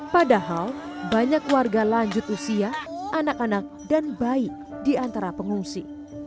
padahal banyak warga lanjut usia anak anak dan bayi di antara pengungsi